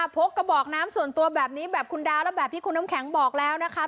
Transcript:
กระบอกน้ำส่วนตัวแบบนี้แบบคุณดาวและแบบที่คุณน้ำแข็งบอกแล้วนะคะ